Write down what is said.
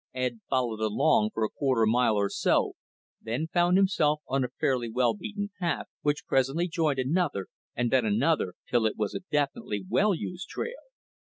Ed followed along for a quarter mile or so, then found himself on a fairly well beaten path, which presently joined another, and then another, till it was a definitely well used trail.